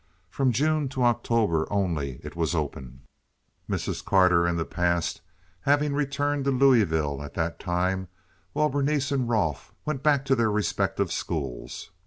From June to October only it was open, Mrs. Carter, in the past, having returned to Louisville at that time, while Berenice and Rolfe went back to their respective schools.